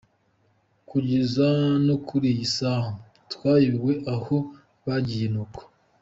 Kugeza no kuri iyi saha twayobewe aho bagiye n’uko.